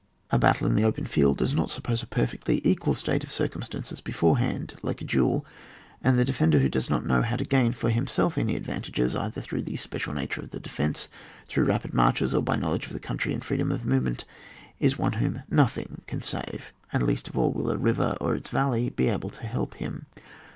A battle in the 142 ON WAR. [book vr. open field does not suppose a perfectly equal state of circumstances beforehand, like a duel ; and the defender who does not know how to gain for himself any advantages, either through the special nature of the defence, through rapid marches, or by knowledge of the country and freedom of movement, is one whom nothing can save, and least of all will a river or its valley be able to help him.